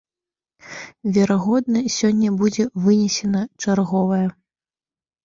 Верагодна, сёння будзе вынесена чарговае.